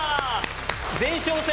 前哨戦